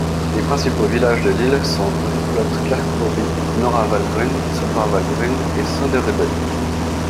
Les principaux villages de l'île sont Replot kyrkoby, Norra Vallgrund, Södra Vallgrund et Söderudden.